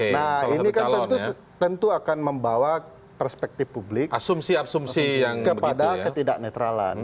nah ini tentu akan membawa perspektif publik kepada ketidak netralan